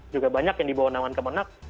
juga banyak yang dibawa nama kemenang